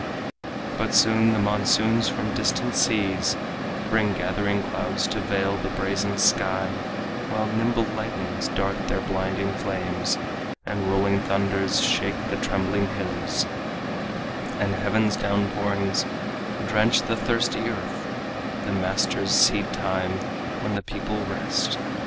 But soon the monsoons from the distant seas Bring gathering clouds to veil the brazen sky, While nimble lightnings dart their blinding flames, And rolling thunders shake the trembling hills, And heaven's downpourings drench the thirsty earth The master's seed time when the people rest.